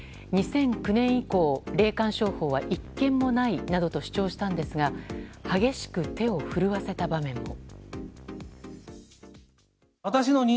２００９年以降、霊感商法は１件もないなどと主張したんですが激しく手を震わせた場面も。